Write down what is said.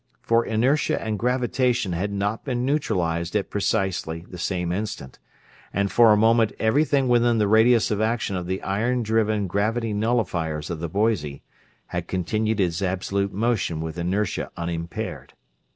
For inertia and gravitation had not been neutralized at precisely the same instant, and for a moment everything within the radius of action of the iron driven gravity nullifiers of the Boise had continued its absolute motion with inertia unimpaired.